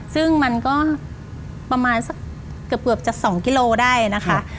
ซึ่งมันก็ประมาณสักเกือบจะ๒กิโลได้นะคะ